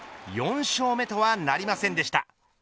４勝目とはなりませんでした。